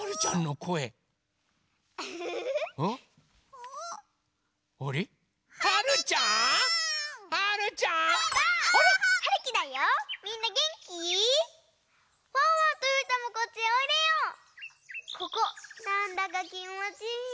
ここなんだかきもちいいよ。